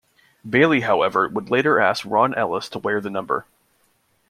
Bailey, however, would later ask Ron Ellis to wear the number.